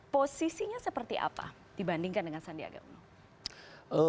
posisinya seperti apa dibandingkan dengan sandiaga uno